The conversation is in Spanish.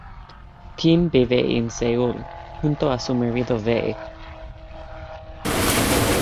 Pim vive en Seúl, junto a su marido Vee.